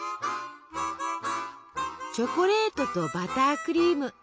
チョコレートとバタークリーム。